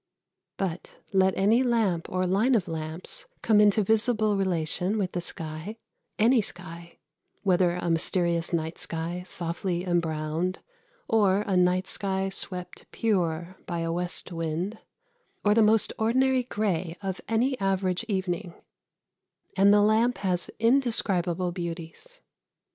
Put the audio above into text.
But let any lamp or line of lamps come into visible relation with the sky any sky, whether a mysterious night sky softly embrowned, or a night sky swept pure by a west wind, or the most ordinary grey of any average evening and the lamp has indescribable beauties.